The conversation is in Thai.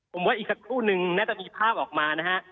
ผมว่าอีกสักครู่นึงน่าจะมีภาพออกมานะฮะ